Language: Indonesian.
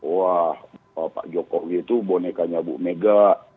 wah pak jokowi itu bonekanya bu mega